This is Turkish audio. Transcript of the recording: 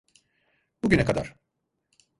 Bugüne kadar.